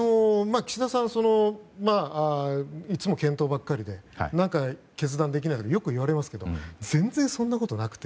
岸田さんはいつも検討ばかりで何か、決断できないってよく言われますけど全然そんなことなくて。